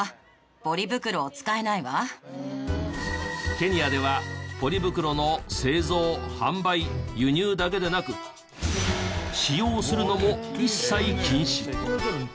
ケニアではポリ袋の製造販売輸入だけでなく使用するのも一切禁止。